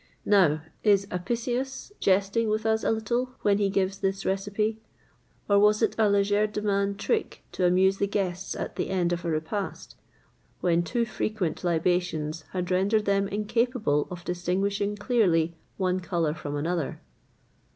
[XXVIII.113] Now, is Apicius jesting with us a little when he gives this recipe; or was it a legerdemain trick to amuse the guests at the end of a repast, when too frequent libations had rendered them incapable of distinguishing clearly one colour from another?